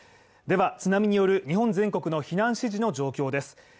では、津波による日本全国の避難指示の状況です。